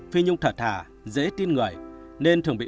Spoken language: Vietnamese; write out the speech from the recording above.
phi nhung thật thà dễ tin người